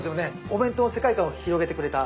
お弁当の世界観を広げてくれた。